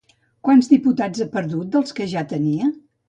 Quants diputats ha perdut dels que ja tenia?